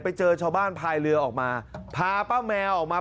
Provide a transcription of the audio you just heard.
ไปเจอชาวบ้านพายเรือออกมาพาป้าแมวออกมา